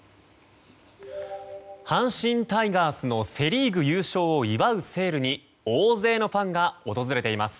阪神タイガースのセ・リーグ優勝を祝うセールに大勢のファンが訪れています。